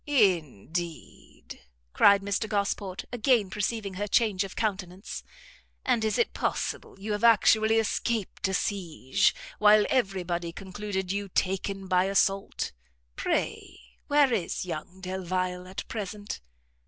"Indeed?" cried Mr Gosport, again perceiving her change of countenance; "and is it possible you have actually escaped a siege, while every body concluded you taken by assault? Pray where is young Delvile at present?"